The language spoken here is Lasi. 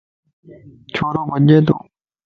ڇورو ٻڃتو